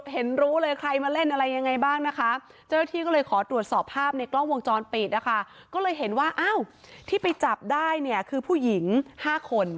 เห็นรู้เลยใครมาเล่นอะไรยังไงบ้างนะคะเจ้าหน้าที่ก็เลยขอตรวจสอบภาพในกล้องวงจรปิดนะคะก็เลยเห็นว่าอ้าวที่ไปจับได้เนี่ยคือผู้หญิง๕คน